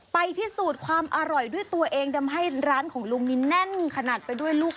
พิสูจน์ความอร่อยด้วยตัวเองทำให้ร้านของลุงนี่แน่นขนาดไปด้วยลูก